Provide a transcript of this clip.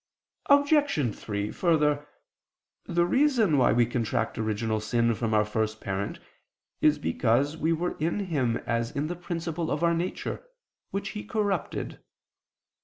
Obj. 3: Further, the reason why we contract original sin from our first parent is because we were in him as in the principle of our nature, which he corrupted.